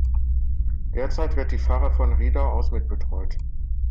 Derzeit wird die Pfarre von Riedau aus mitbetreut.